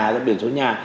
rồi biển số nhà